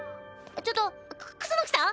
ちょっと楠さん？